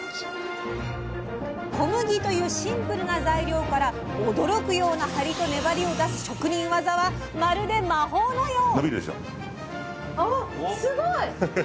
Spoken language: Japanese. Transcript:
小麦というシンプルな材料から驚くような張りと粘りを出す職人技はまるで魔法のよう！